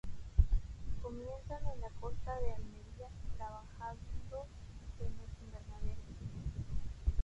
Comienza en la costa de Almería, trabajando en los invernaderos.